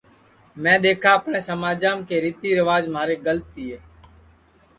میں دؔیکھا اپٹؔے سماجم کہ ریتی ریواج مہارے گلت تیے